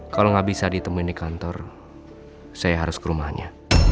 kalau nggak bisa ditemuin di kantor saya harus ke rumahnya